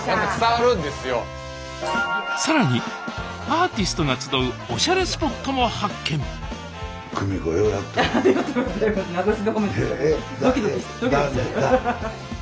更にアーティストが集うおしゃれスポットも発見ありがとうございます。